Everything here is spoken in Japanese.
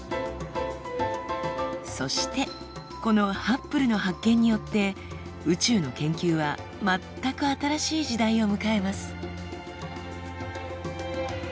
そしてこのハッブルの発見によって宇宙の研究は全く新しい時代を迎えます。